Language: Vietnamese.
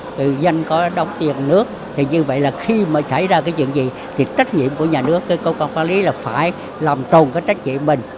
người dân có đóng tiền nước thì như vậy là khi mà xảy ra cái chuyện gì thì trách nhiệm của nhà nước cái cơ quan quản lý là phải làm trồn cái trách nhiệm mình